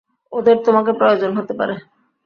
ওদের তোমাকে প্রয়োজন হতে পারে।